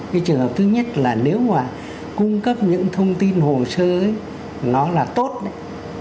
cái trường hợp thứ nhất là nếu mà cung cấp những thông tin hồ sơ ấy nó là tốt đấy